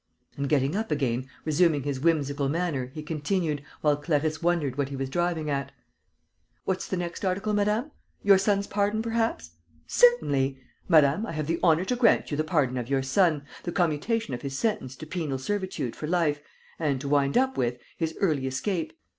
And, getting up again, resuming his whimsical manner, he continued, while Clarisse wondered what he was driving at: "What's the next article, madame? Your son's pardon, perhaps? Certainly! Madame, I have the honour to grant you the pardon of your son, the commutation of his sentence to penal servitude for life and, to wind up with, his early escape.